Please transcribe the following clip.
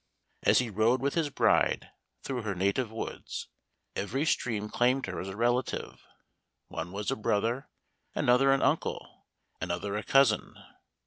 As he rode with his bride through her native woods, every stream claimed her as a relative; one was a brother, another an uncle, another a cousin.